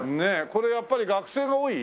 これやっぱり学生が多い？